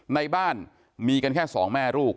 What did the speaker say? ในบ้านมีกันแค่สองแม่ลูก